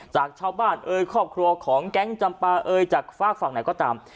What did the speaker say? จากชาวบ้านเอ่ยครอบครัวของแก๊งจำปลาเอ่ยจากฝากฝั่งไหนก็ตาม